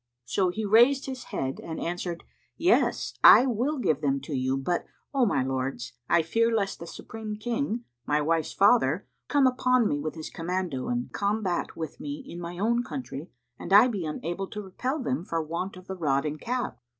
So he raised his head and answered, "Yes, I will give them to you: but, O my lords, I fear lest the Supreme King, my wife's father, come upon me with his commando and combat with me in my own country, and I be unable to repel them, for want of the rod and the cap."